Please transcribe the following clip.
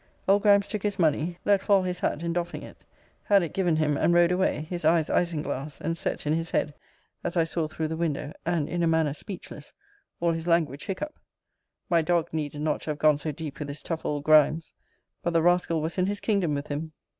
Old Grimes took his money, let fall his hat in doffing it; had it given him, and rode away; his eyes isinglass, and set in his head, as I saw through the window, and in a manner speechless all his language hiccup. My dog needed not to have gone so deep with this tough old Grimes. But the rascal was in his kingdom with him.